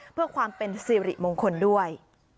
เพื่อความเป็นสิริมงคลด้วย